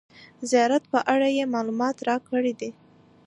زیارت په اړه یې معلومات راکړي دي.